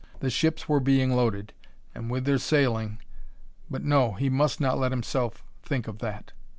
The ships were being loaded, and with their sailing But, no! He must not let himself think of that!